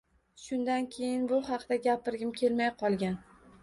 Shundan keyin bu haqda gapirgim kelmay qolgan